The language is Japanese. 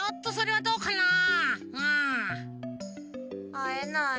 あえない？